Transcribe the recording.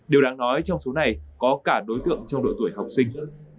điều đáng nói trong số này có cả đối tượng trong độ tuổi học sinh